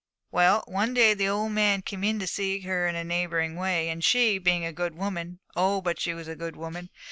'Well, one day the old man came in to see her in a neighbouring way, and she, being a good woman, oh, but she was a good woman!